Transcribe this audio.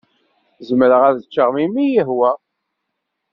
Zemreɣ ad ččeɣ melmi i yi-ihwa.